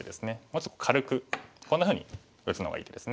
もうちょっと軽くこんなふうに打つのがいい手ですね。